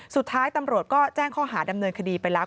สุดท้ายตำรวจก็แจ้งข้อหาดำเนินคดีไปแล้ว